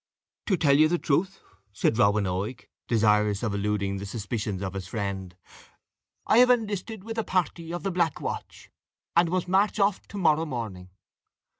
"To tell you the truth," said Robin Oig, desirous of eluding the suspicions of his friend, "I have enlisted with a party of the Black Watch, and must march off to morrow morning."